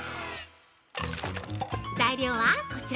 材料はこちら！